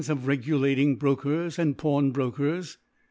of regulatir>g Brofcers and Pl^wnbrokers